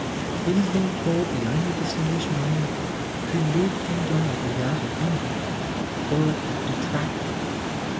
He has been called the only distinguished man who lived and died without an enemy or detractor.